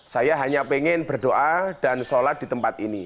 saya hanya ingin berdoa dan sholat di tempat ini